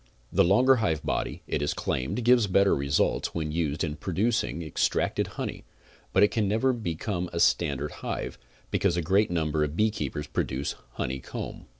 The larger hive body, it is claimed, gives better results when used in producing extracted honey, but it can never become a standard hive, because a great number of beekeepers produce comb honey.